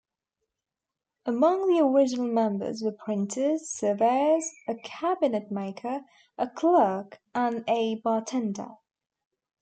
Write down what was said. Among the original members were printers, surveyors, a cabinetmaker, a clerk, and a bartender.